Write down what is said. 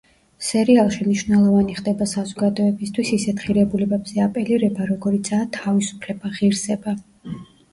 სერიალში მნიშვნელოვანი ხდება საზოგადოებისთვის ისეთ ღირებულებებზე აპელირება, როგორიცაა თავისუფლება, ღირსება.